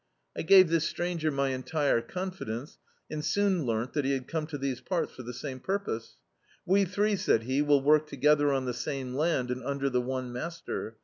I gave this stranger my entire confidence, and soon leamt that he had ccvnc to these parts for the same purpose. "We three," said he, "will work together on the same land, and under the one master.